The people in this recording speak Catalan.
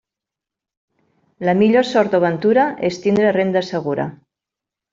La millor sort o ventura és tindre renda segura.